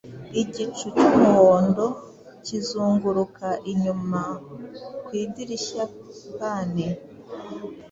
Igicu cyumuhondo kizunguruka inyuma ku idirishya-pane